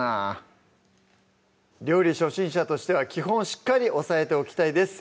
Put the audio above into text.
料理初心者としては基本をしっかり押さえておきたいです